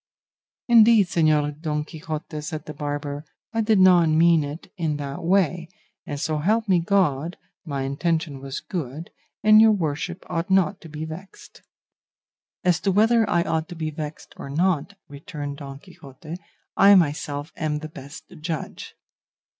"Indeed, Señor Don Quixote," said the barber, "I did not mean it in that way, and, so help me God, my intention was good, and your worship ought not to be vexed." "As to whether I ought to be vexed or not," returned Don Quixote, "I myself am the best judge."